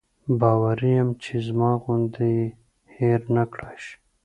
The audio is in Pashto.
باوري یم چې زما غوندې یې هېر نکړای شي.